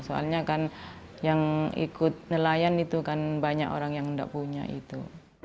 soalnya kan yang ikut nelayan itu kan banyak orang yang tidak punya itu